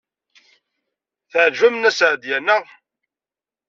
Teɛjeb-am Nna Seɛdiya, naɣ?